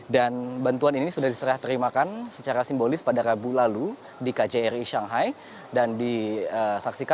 dan bantuan ini sudah diserah terimakan secara simbolis pada rabu lalu di kjri shanghai